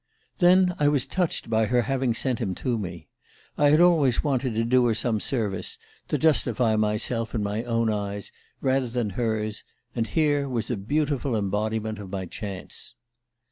Then I was touched by her having sent him to me. I had always wanted to do her some service, to justify myself in my own eyes rather than hers; and here was a beautiful embodiment of my chance.